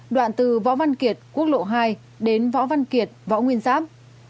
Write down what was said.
đoạn từ võ văn kiệt quốc lộ hai đến võ văn kiệt võ nguyên giáp